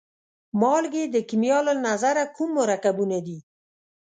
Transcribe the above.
مالګې د کیمیا له نظره کوم مرکبونه دي؟